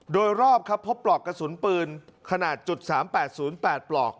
โดยรอบครับพบปลอกกระสุนปืนขนาดจุดสามแปดศูนย์แปดปลอก